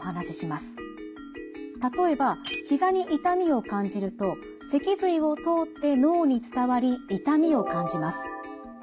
例えばひざに痛みを感じると脊髄を通って脳に伝わり痛みを感じます。